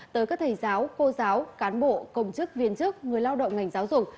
tới các thầy giáo cô giáo cán bộ công chức viên chức người lao động ngành giáo dục